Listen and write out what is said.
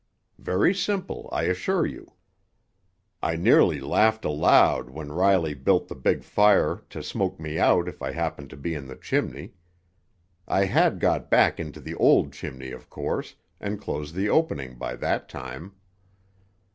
Very simple, I assure you. "I nearly laughed aloud when Riley built the big fire to smoke me out if I happened to be in the chimney. I had got back into the old chimney, of course, and closed the opening by that time.